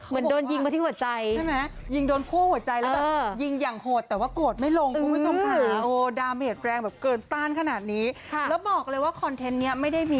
มันต้องอย่างนี้